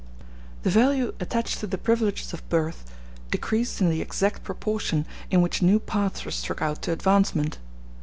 The value attached to the privileges of birth decreased in the exact proportion in which new paths were struck out to advancement.